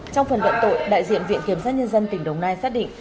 trong phần luận tội đại diện viện kiểm sát nhân dân tỉnh đồng nai xác định